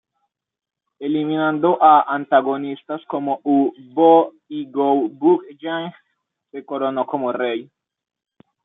Eliminando a antagonistas como U bo y Go bok-jang, se coronó como rey.